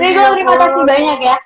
terima kasih banyak ya